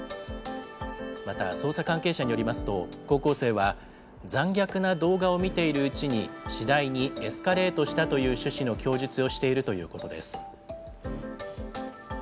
また、捜査関係者によりますと、高校生は、残虐な動画を見ているうちに、次第にエスカレートしたという趣旨の供述をしているということです。